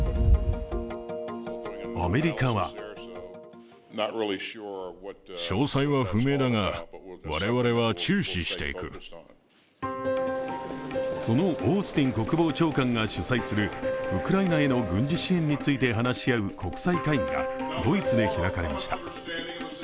アメリカはそのオースティン国防長官が主催するウクライナへの軍事支援について話し合う国際会議がドイツで開かれました。